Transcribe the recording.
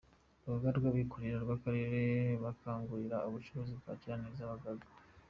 Urugaga rw’abikorera n’Akarere bakangurira abacuruzi kwakira neza ababagana.